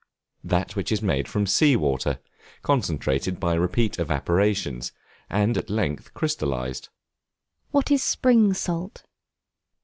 That which is made from sea water, concentrated by repeated evaporations, and at length crystallized. What is Spring Salt?